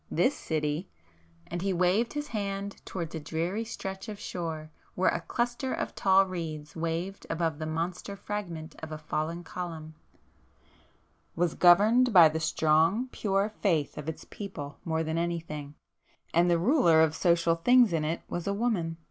This city"——and he waved his hand towards a dreary stretch of shore where a cluster of tall reeds waved above the monster fragment of a fallen column,—"was governed by the strong pure faith of its people more than anything,—and the ruler of social things in it was a woman.